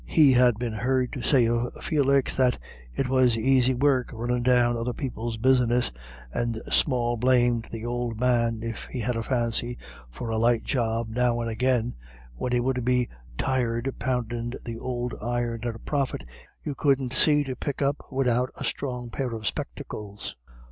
He had been heard to say of Felix that "It was aisy work runnin' down other people's business, and small blame to th' ould man if he had a fancy for a light job now and agin, when he would be tired poundin' th' ould iron at a profit you couldn't see to pick up widout a strong pair of spectacles."